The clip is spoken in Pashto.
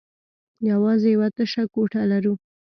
يواځې يوه تشه کوټه لرو.